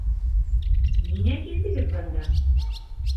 Ниңә килдегеҙ бында?